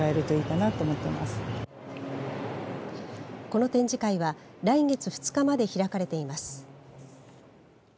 この展示会は来月２日まで開かれています。